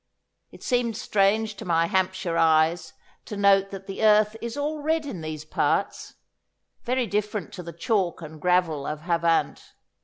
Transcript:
It seemed strange to my Hampshire eyes to note that the earth is all red in these parts very different to the chalk and gravel of Havant.